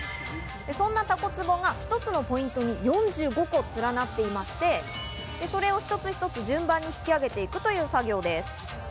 そんなタコツボが１つのポイントに４５個連なっていまして、それを一つ一つ順番に引き揚げていくという作業です。